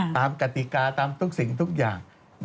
กติกาตามทุกสิ่งทุกอย่าง